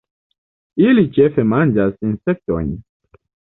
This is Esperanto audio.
Ili ĉefe manĝas insektojn.